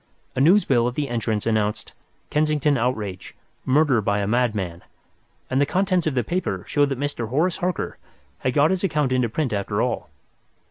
A news bill at the entrance announced "Kensington Outrage. Murder by a Madman," and the contents of the paper showed that Mr. Horace Harker had got his account into print after all.